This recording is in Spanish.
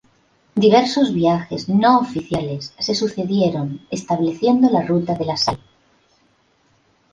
Diversos viajes no oficiales se sucedieron estableciendo la ruta de la sal.